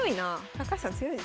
高橋さん強いですね。